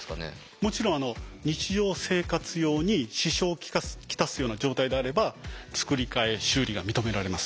もちろん日常生活用に支障を来すような状態であれば作り替え修理が認められます。